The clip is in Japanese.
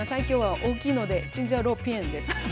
今日は大きいので「チンジャオロー『ピエン』」です。